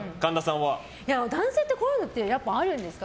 男性ってこういうのあるんですか？